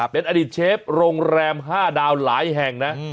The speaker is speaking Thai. เป็นอดีตเชฟโรงแรม๕ดาวหลายแห่งนะ